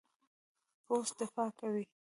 پوست دفاع کوي.